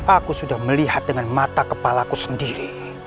aku sudah melihat dengan mata kepala ku sendiri